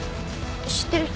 知ってる人？